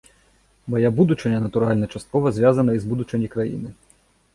Мая будучыня, натуральна, часткова звязаная і з будучыняй краіны.